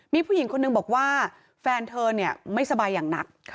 มีผู้หญิงคนนึงบอกว่าแฟนเธอไม่สบายอย่างหนัก